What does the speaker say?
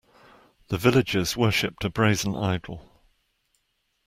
The villagers worshipped a brazen idol